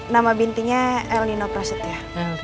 nama bintinya elnino prasut ya